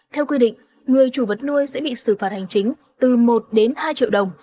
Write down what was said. theo quy định người chủ vật nuôi sẽ bị xử phạt hành chính từ một đến hai triệu đồng